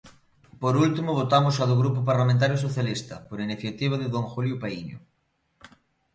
Por último, votamos a do Grupo Parlamentario Socialista, por iniciativa de don Julio Paíño.